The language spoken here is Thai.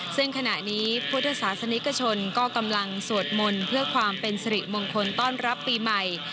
ซึ่งขณะนี้พุทธศาสนิกชนก็กำลังสวดมนต์เพื่อความเป็นสิริมงคลต้อนรับปีใหม่